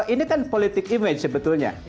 ini kan politik image sebetulnya